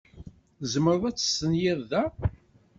Tzemreḍ ad testenyiḍ da?